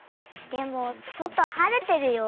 でもそとはれてるよ。